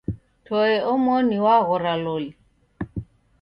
Toe omoni waghora loli.